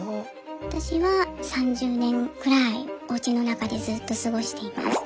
私は３０年ぐらいおうちの中でずっと過ごしていました。